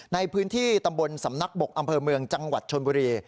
ในพื้นที่ตำบลสำนักบกอำเภอเมืองจังหวัดชนบุรี